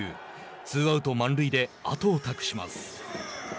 ツーアウト、満塁で後に託します。